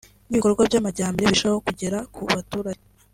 n’ibikorwa by’amajyambere birusheho kugera ku baturage